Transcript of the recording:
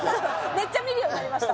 めっちゃ見るようになりました